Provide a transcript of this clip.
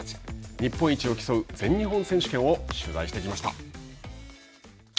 日本一を競う全日本選手権を取材してきました。